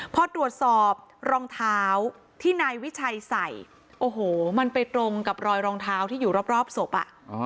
พอตรวจสอบรองเท้าที่นายวิชัยใส่โอ้โหมันไปตรงกับรอยรองเท้าที่อยู่รอบศพอ่ะ